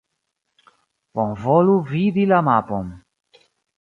Bonvolu vidi la mapon.